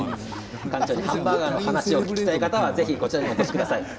ハンバーガーの話を聞きたい方はぜひ、こちらにお越しください。